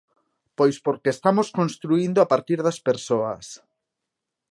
Pois porque estamos construíndo a partir das persoas.